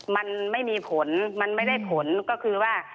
มันไม่มีผลมันไม่ได้ผลก็คือว่า